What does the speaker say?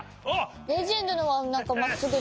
レジェンドのはなんかまっすぐで。